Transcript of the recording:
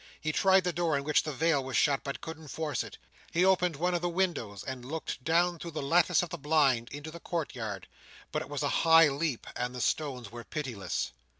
He tried the door in which the veil was shut, but couldn't force it. He opened one of the windows, and looked down through the lattice of the blind, into the court yard; but it was a high leap, and the stones were pitiless.